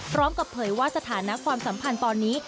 พร้อมกับเผยว่าสถานะความสัมพันธ์ตอนนี้